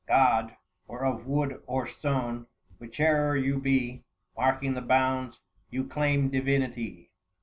685 God, or of wood or stone, whiche'er you be, Marking the bounds, you claim divinity.